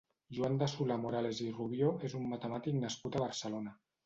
Joan de Solà-Morales i Rubió és un matemàtic nascut a Barcelona.